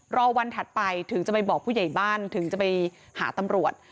รอวันถัดไปถึงจะไปบอกผู้ใหญ่บ้านถึงจะไปหาตำรวจ